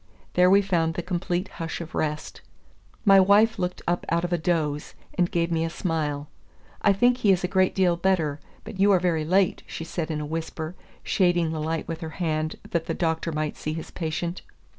There we found the complete hush of rest. My wife looked up out of a doze, and gave me a smile: "I think he is a great deal better; but you are very late," she said in a whisper, shading the light with her hand that the Doctor might see his patient.